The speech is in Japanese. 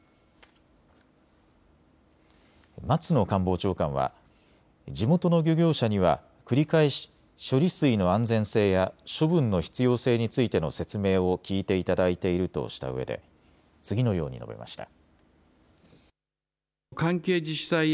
松野官房長官は地元の漁業者には繰り返し処理水の安全性や処分の必要性についての説明を聞いていただいているとしたうえで次のように述べました。